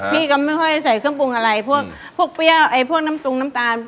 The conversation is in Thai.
พี่ก็ไม่ค่อยใส่เครื่องปรุงอะไรพวกเปรี้ยวไอ้พวกน้ำตุงน้ำตาล